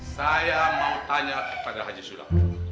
saya mau tanya kepada haji sulap